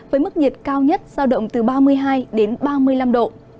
với mức nhiệt cao nhất giao động từ ba mươi hai đến ba mươi năm độ